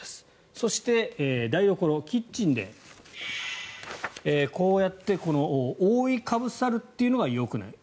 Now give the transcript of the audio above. そして、台所、キッチンでこうやって覆いかぶさるというのはよくない。